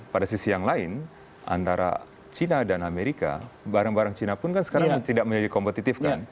pada sisi yang lain antara china dan amerika barang barang cina pun kan sekarang tidak menjadi kompetitif kan